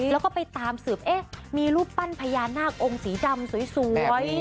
แล้วก็ไปตามสืบมีรูปปั้นพญานาคองค์สีดำสวย